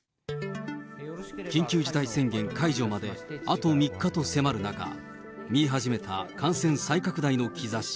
緊急事態宣言解除まであと３日と迫る中、見え始めた感染再拡大の兆し。